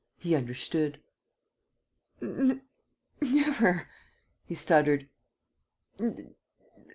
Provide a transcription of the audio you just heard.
He understood: "Never!" he stuttered.